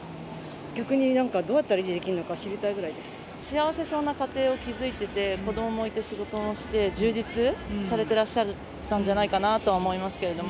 逆になんか、どうやったら維持で幸せそうな家庭を築いてて、子どももいて、仕事もして、充実されてらっしゃったんじゃないかなとは思いますけれども。